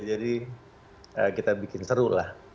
jadi kita bikin seru lah